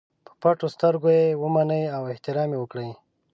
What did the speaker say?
په پټو سترګو یې ومني او احترام یې وکړي.